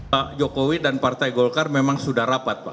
pak jokowi dan partai golkar memang sudah rapat pak